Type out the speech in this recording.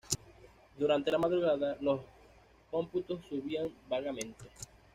Durante la madrugada, los cómputos subían vagamente.